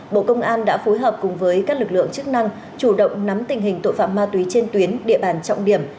bộ công an đã phối hợp cùng với các lực lượng chức năng chủ động nắm tình hình tội phạm ma túy trên tuyến địa bàn trọng điểm